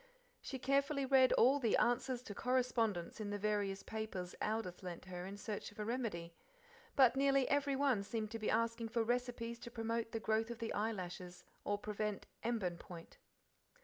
She carefully read all the Answers to Correspondents in the various papers Aldith lent her in search of a remedy, but nearly everyone seemed to be asking for recipes to promote the growth of the eyelashes or to prevent embonpoint.